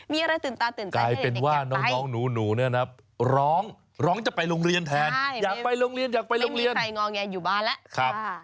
มีอะไรตื่นตาตื่นใจให้เด็ก